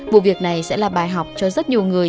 vụ việc này sẽ là bài học cho rất nhiều người